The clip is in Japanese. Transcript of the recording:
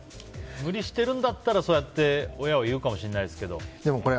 無理してるんだったらそうやって親は言うかもしれないですけど。